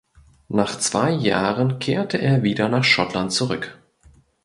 Nach zwei Jahren kehrte er wieder nach Schottland zurück.